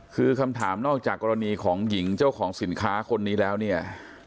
คือคำถามนอกจากกรณีของหญิงเจ้าของสินค้าคนนี้แล้วเนี่ย